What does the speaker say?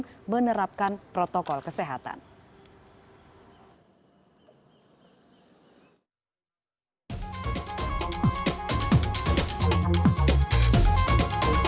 dan mengembangkan kemampuan perusahaan negara asean